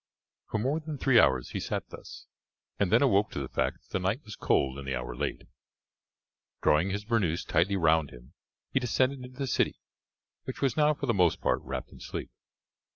For more than three hours he sat thus, and then awoke to the fact that the night was cold and the hour late. Drawing his bernous tightly round him he descended into the city, which was now for the most part wrapped in sleep.